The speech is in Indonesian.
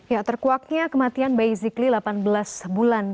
ya terkuaknya kematian bayi zikli delapan belas bulan